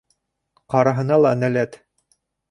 Ҡараһына ла нәләт.